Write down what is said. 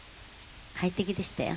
快適でしたよ。